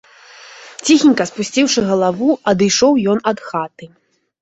Ціхенька, спусціўшы галаву, адышоў ён ад хаты.